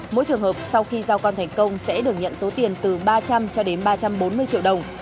mỗi trường hợp sau khi giao con thành công sẽ được nhận số tiền từ ba trăm linh cho đến ba trăm bốn mươi triệu đồng